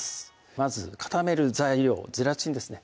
まず固める材料ゼラチンですね